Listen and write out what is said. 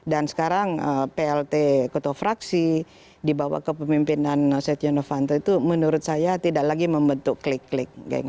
dan sekarang plt ketua fraksi dibawa ke pemimpinan setia novanta itu menurut saya tidak lagi membentuk klik klik